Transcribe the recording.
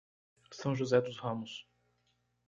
São José dos Ramos